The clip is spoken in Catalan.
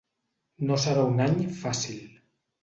No serà un any fàcil.